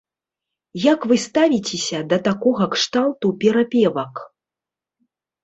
Як вы ставіцеся да такога кшталту перапевак?